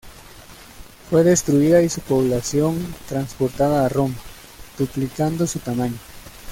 Fue destruida y su población transportada a Roma, duplicando su tamaño.